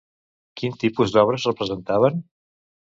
Quin tipus d'obres representaven?